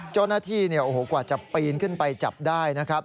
เจ้าหน้าที่กว่าจะปีนขึ้นไปจับได้นะครับ